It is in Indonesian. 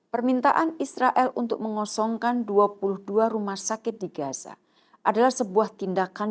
permintaan israel untuk mengosongkan dua puluh dua rumah sakit di gaza adalah sebuah tindakan